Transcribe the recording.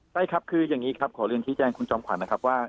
ใช่ครับคืออย่างนี้ครับขอเรียนชี้แจงคุณจอมขวัญนะครับว่า